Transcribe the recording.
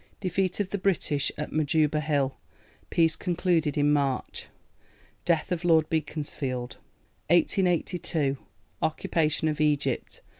Defeat of the British at Majuba Hill. Peace concluded in March. Death of Lord Beaconsfield. 1882. OCCUPATION OF EGYPT.